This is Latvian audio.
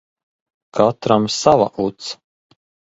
Katram sava uts.